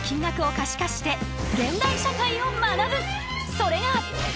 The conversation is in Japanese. それが。